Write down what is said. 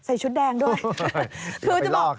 ใส่ชุดแดงด้วย